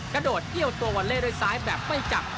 กระโดดเอี้ยวตัววาเล่ด้วยซ้ายแบบไม่จับ